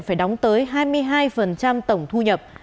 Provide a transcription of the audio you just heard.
phải đóng tới hai mươi hai tổng thu nhập